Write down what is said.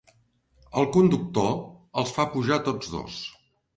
El conductor els fa pujar tots dos.